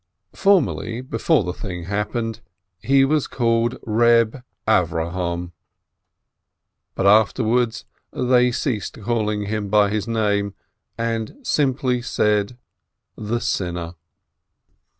Formerly, before the thing happened, he was called Reb Avrohom, but afterwards they ceased calling him by his name, and said simply the Sinner.